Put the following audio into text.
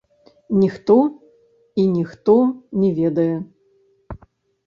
Ніхто і ніхто не ведае.